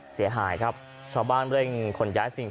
เสียหายครับชาวบ้านเร่งขนย้ายสิ่ง